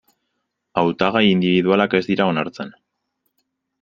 Hautagai indibidualak ez dira onartzen.